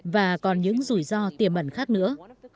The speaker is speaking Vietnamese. và còn những rủi ro tiềm bẩn khác nữa